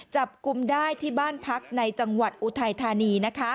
จับกลุ่มได้ที่บ้านพักในจังหวัดอุทัยธานี